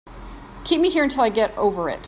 Keep me here until I get over it.